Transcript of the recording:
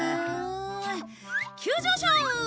急上昇！